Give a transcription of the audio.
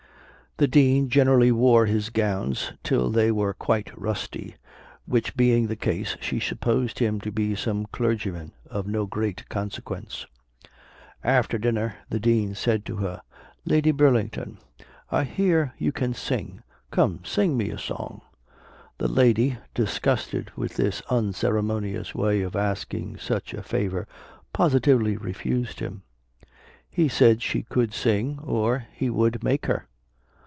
The Dean generally wore his gowns till they were quite rusty, which being the case, she supposed him to be some clergyman of no great consequence. After dinner, the Dean said to her, "Lady Burlington, I hear you can sing; come, sing me a song." The Lady, disgusted with this unceremonious way of asking such a favor, positively refused him. He said she could sing, or he would make her.